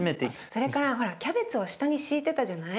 それからほらキャベツを下に敷いてたじゃない？